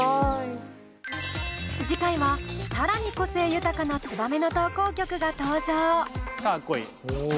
次回は更に個性豊かな「ツバメ」の投稿曲が登場！